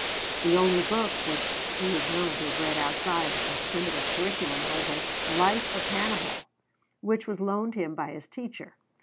The only book which he is known to have read outside of his primitive curriculum was a 'Life of Hannibal,' which was loaned him by his teacher.